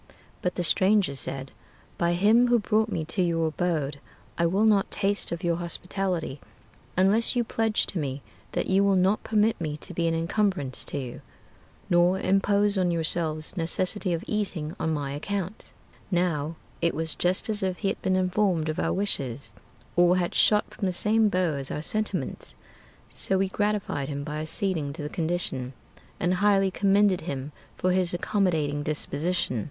But the stranger said, "By Him who brought me to your abode, I will not taste of your hospitality, unless you pledge to me That you will not permit me to be an incumbrance to you, Nor impose on yourselves necessity of eating on my account." Now it was just as if he had been informed of our wishes, Or had shot from the same bow as our sentiments; So we gratified him by acceding to the condition, And highly commended him for his accommodating disposition.